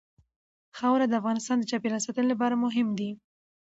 خاوره د افغانستان د چاپیریال ساتنې لپاره مهم دي.